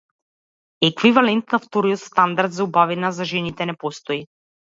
Еквивалент на вториот стандард за убавина за жените не постои.